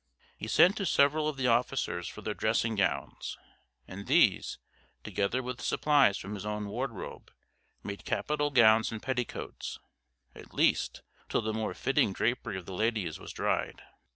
He sent to several of the officers for their dressing gowns; and these, together with supplies from his own wardrobe, made capital gowns and petticoats at least, till the more fitting drapery of the ladies was dried.